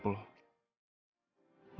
gue selalu ikutin perjalanan hidup lo